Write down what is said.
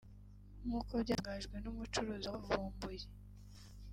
nk’uko byatangajwe n’umucuruzi wabavumbuye